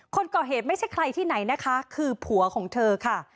คนก่อเหตุไม่ใช่ใครที่ไหนนะคะคือผัวของเธอค่ะ